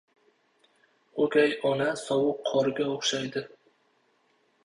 • O‘gay ona sovuq qorga o‘xshaydi.